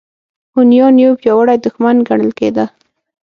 هونیان یو پیاوړی دښمن ګڼل کېده.